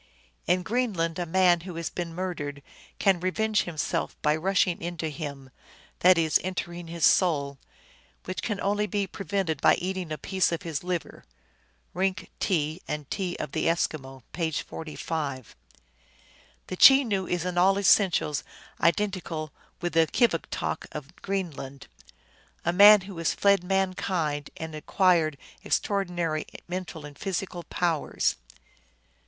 " In Greenland a man who has been murdered can revenge himself by rushing into him," that is, entering his soul, " which can only be prevented by eating a piece of his liver." (Rink, T. and T. of the Eskimo, page 45.) The Chenoo is in all essentials identical with the Kivigtok of Greenland, " a man who has fled mankind, and acquired extraordinary mental and physical powers.